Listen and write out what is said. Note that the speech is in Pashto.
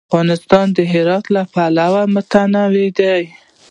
افغانستان د هرات له پلوه متنوع دی.